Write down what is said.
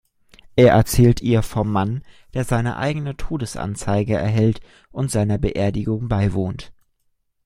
Er erzählt ihr vom Mann, der seine eigene Todesanzeige erhält und seiner Beerdigung beiwohnt.